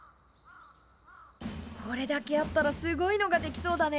これだけあったらすごいのができそうだね。